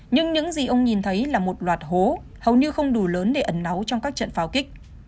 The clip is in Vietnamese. nhưng những gì ông nhìn thấy là một loạt hố hầu như không đủ lớn để ẩn náu trong các trận pháo kích